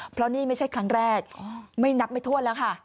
เพราะนี่ไม่ใช่ครั้งแรกไม่นับไม่ถ้วนแล้วค่ะ